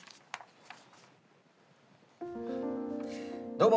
どうも。